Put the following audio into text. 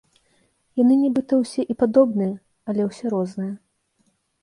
Яны нібыта ўсе і падобныя, але ўсе розныя.